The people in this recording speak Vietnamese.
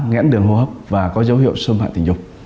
nghẽn đường hô hấp và có dấu hiệu xôn phạm tình dục